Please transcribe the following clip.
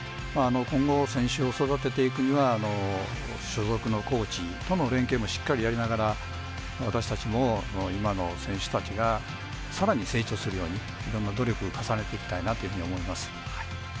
今後、選手を育てていくには所属のコーチとの連携もしっかりやりながら私たちも今の選手たちがさらに成長するようにいろんな努力、重ねていきたいなっていうふうに思います。